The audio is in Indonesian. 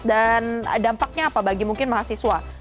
dampaknya apa bagi mungkin mahasiswa